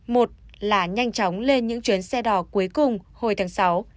một là nhanh chóng lên những chuyến xe đò cuối cùng hồi tháng sáu